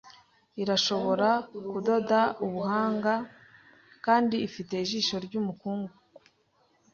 Irashobora kudoda ubuhanga kandi ifite ijisho ryumukungugu,